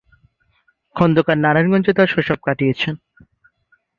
খন্দকার নারায়ণগঞ্জে তার শৈশব কাটিয়েছেন।